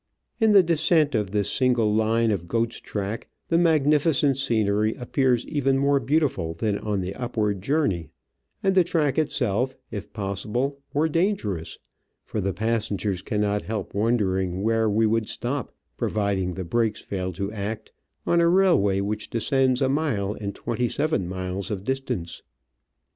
In the descent of this single line of goat's track the magnificent scenery appears even more beautiful than on the upward journey, and the track itself, if possible, more dangerous ; for the passengers cannot help wondering where we would stop, providing the brakes failed to act, on a railway which descends a mile in twenty seven miles of distance.